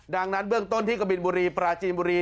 ดังนั้นเบื้องต้นที่กบินบุรีปราจีนบุรี